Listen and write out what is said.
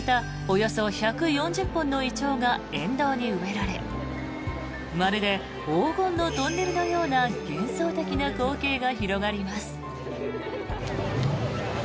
およそ１４０本のイチョウが沿道に植えられまるで黄金のトンネルのような幻想的な光景が広がります。